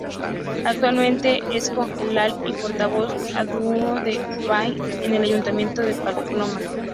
Actualmente, es concejal y portavoz adjunto de Geroa Bai en el Ayuntamiento de Pamplona.